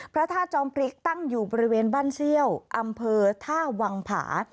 พระธาตุจอมพริกตั้งอยู่บริเวณบ้านเซี่ยวอำเภอท่าวังผา